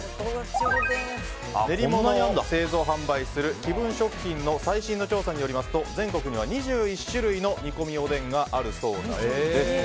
練り物を製造・販売する紀文食品の最新の調査によりますと全国には２１種類の煮込みおでんがあるそうなんです。